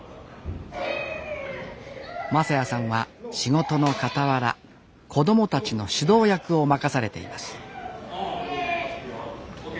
正弥さんは仕事のかたわら子どもたちの指導役を任されています